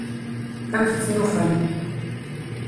Amek i ten-ufan?